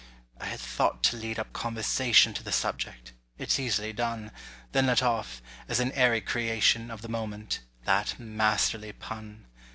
I had thought to lead up conversation To the subject—it's easily done— Then let off, as an airy creation Of the moment, that masterly pun.